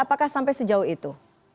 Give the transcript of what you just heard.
apakah sampai sejauh itu